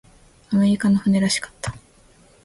アメリカの船らしかった。